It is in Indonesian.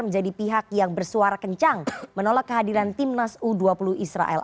menjadi pihak yang bersuara kencang menolak kehadiran timnas u dua puluh israel